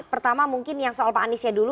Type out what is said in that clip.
pertama mungkin yang soal pak aniesnya dulu